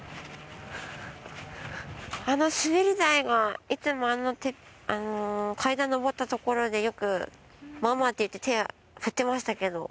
あのすべり台がいつもあの階段上った所でよく「ママ」って言って手振ってましたけど。